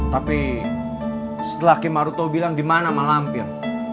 tapi setelah kimaruto bilang dimana sama lampir